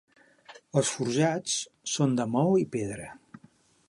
Els forjats són de maó i pedra.